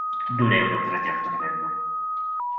Non è un'opera di alto livello.